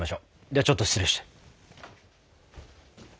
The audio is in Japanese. ではちょっと失礼して。